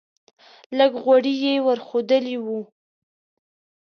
لږ غوړي یې ور ښودلی و.